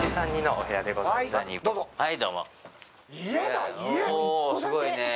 おー、すごいね。